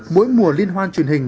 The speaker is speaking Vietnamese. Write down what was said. mỗi mùa liên hoan truyền hình